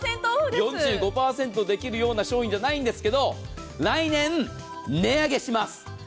４５％できるような状況じゃないんですけど来年、値上げします。